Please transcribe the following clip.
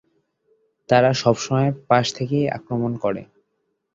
তারা সবসময় পাশ থেকেই আক্রমণ করে।